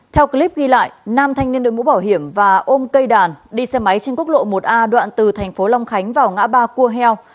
theo clip ghi lại nam thanh niên đội mũ bảo hiểm và ôm cây đàn đi xe máy trên quốc lộ một a đoạn từ thành phố long khánh vào ngã ba cua heo